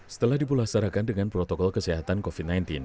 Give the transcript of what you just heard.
setelah dipulasarakan dengan protokol kesehatan covid sembilan belas